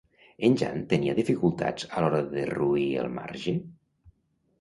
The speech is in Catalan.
En Jan tenia dificultats a l'hora de derruir el marge?